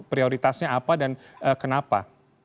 prioritasnya apa dan kenapa